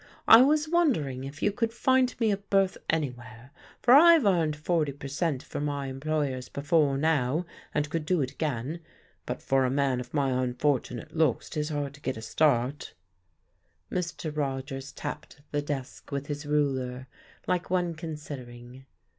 "I was wondering if you could find me a berth anywhere, for I've 'arned forty per cent. for my employers before now, and could do it again, but for a man of my unfortunate looks 'tis hard to get a start." Mr. Rogers tapped the desk with his ruler, like one considering.